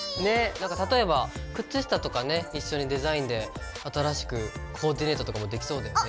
なんか例えば靴下とかね一緒にデザインで新しくコーディネートとかもできそうだよね。